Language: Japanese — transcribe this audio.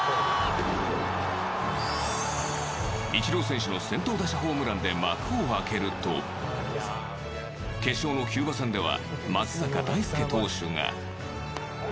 イチロー選手の先頭打者ホームランで幕を開けると決勝のキューバ戦では松坂大輔投手が。